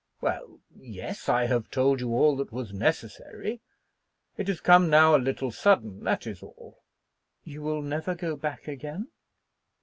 "Well, yes; I have told you all that was necessary. It has come now a little sudden, that is all." "You will never go back again?"